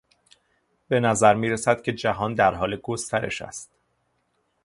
به نظر میرسد که جهان در حال گسترش است.